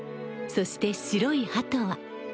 そして白いハトは。